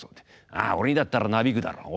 「ああ俺にだったらなびくだろう」